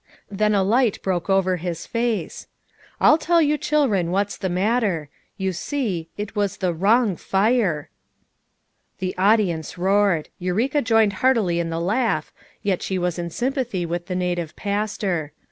Then a light broke over his face. 'I'll tell you chil'ren what's the matter; you see, it was the wrong fire/ " The audience roared. Eureka joined heartily in the laugh, yet she was in sympathy with the native pastor.